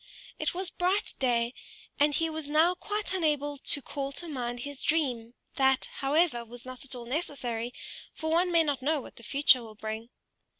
It was bright day, and he was now quite unable to call to mind his dream; that, however, was not at all necessary, for one may not know what the future will bring.